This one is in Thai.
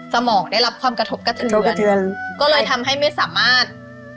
สมองได้รับความกระทบกระเทือนกระเทือนก็เลยทำให้ไม่สามารถ